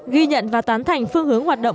ghi nhận và tán thành phương hướng hoạt động